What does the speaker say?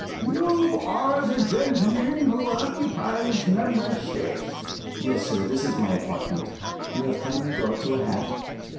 "You are the gentleman who occupies number six?" "Yes, sir. This is my apartment. You have come in regard to a hat?"